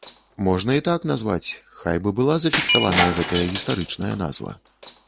Можна і так назваць, хай бы была зафіксаваная гэтая гістарычная назва.